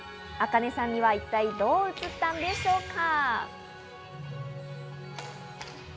ａｋａｎｅさんには一体どう映ったんでしょうか？